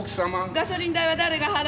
「ガソリン代は誰が払うの？」。